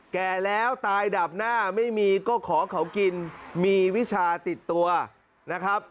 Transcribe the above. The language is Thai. แก่แล้วตายดับหน้าไม่มีก็ขอเขากินมีวิชาติดตัวนะครับ